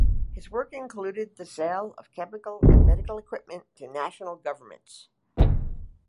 His work included the sale of chemical and medical equipment to national governments.